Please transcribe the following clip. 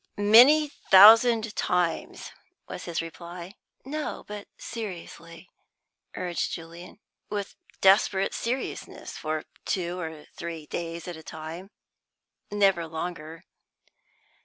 "Many thousand times," was his reply. "No, but seriously," urged Julian. "With desperate seriousness for two or three days at a time. Never longer."